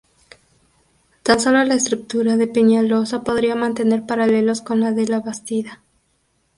Tan solo la estructura de Peñalosa podría mantener paralelos con la de La Bastida.